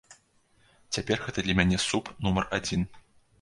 Цяпер гэта для мяне суп нумар адзін.